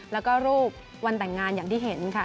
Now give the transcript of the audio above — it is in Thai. แล้วก็รูปวันแต่งงานอย่างที่เห็นค่ะ